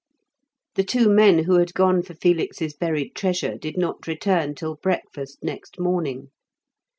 The two men who had gone for Felix's buried treasure did not return till breakfast next morning.